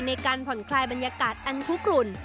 ในการผ่อนคลายบรรยากาศอันคุกรุ่น